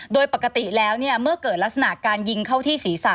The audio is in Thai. โดยปกติแล้วเมื่อเกิดลักษณะการยิงเข้าที่ศีรษะ